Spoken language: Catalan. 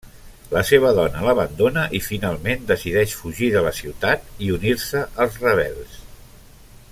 La seva dona l'abandona i finalment decideix fugir de la ciutat i unir-se als rebels.